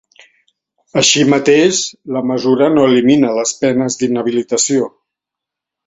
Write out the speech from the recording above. Així mateix, la mesura no elimina les penes d’inhabilitació.